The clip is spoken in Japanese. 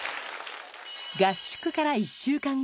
合宿から１週間後。